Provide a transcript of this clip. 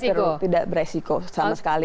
tidak terlalu beresiko sama sekali